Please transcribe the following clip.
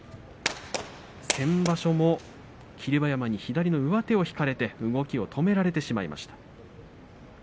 先場所も霧馬山に左の上手を引かれて動きを止められてしまいました。